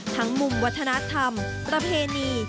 มุมวัฒนธรรมประเพณี